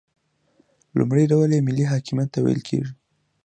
لومړی ډول یې ملي حاکمیت ته ویل کیږي.